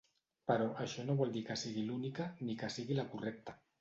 Però, això no vol dir que sigui l'única, ni que sigui la correcta.